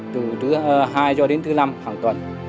từ thứ hai cho đến thứ năm hàng tuần